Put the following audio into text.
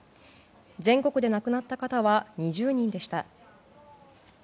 全国で亡くなった方は２０人でした。